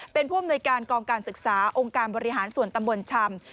เป็นผู้อำนวยการกองการศึกษาองค์การบริหารส่วนตำบลชำ